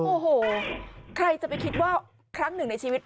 โอ้โหใครจะไปคิดว่าครั้งหนึ่งในชีวิต